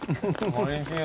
おいしい。